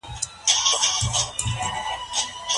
د ده په ستوني کې د شيدو خوند و.